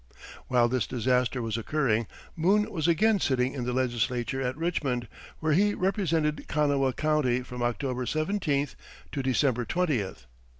While this disaster was occurring, Boone was again sitting in the legislature at Richmond, where he represented Kanawha County from October 17th to December 20th.